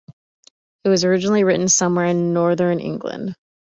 It was originally written somewhere in northern England.